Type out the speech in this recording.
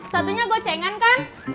satunya gocengan kan